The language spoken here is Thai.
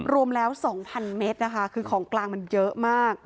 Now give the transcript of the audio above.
รวมแล้ว๒๐๐เมตรนะคะคือของกลางมันเยอะมาก